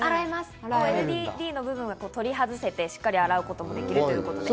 ＬＥＤの部分は取り外せて、しっかり洗えるということです。